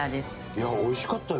いやおいしかったよ